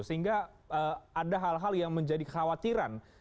sehingga ada hal hal yang menjadi kekhawatiran